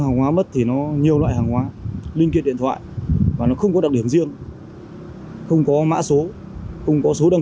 công ty phát hiện bị mất nhiều màn hình linh kiện điện thoại gây thiệt hại lớn cho công ty